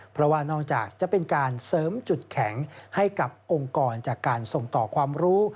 เพราะว่านอกจากจะเป็นการเสริมจุดแข็งให้กับองค์กรจากการส่งต่อความรู้